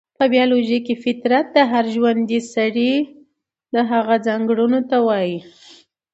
په بيالوژي کې فطرت د هر ژوندي سري هغو ځانګړنو ته وايي،